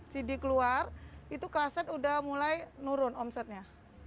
jadi keluar itu kaset udah mulai nurun omsetnya